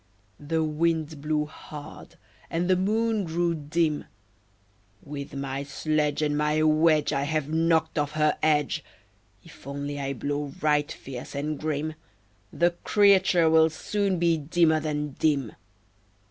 The Wind blew hard, and the Moon grew dim. "With my sledge And my wedge I have knocked off her edge! If only I blow right fierce and grim, The creature will soon be dimmer than dim."